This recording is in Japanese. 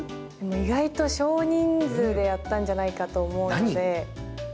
意外と少人数でやったんじゃないかと思うので。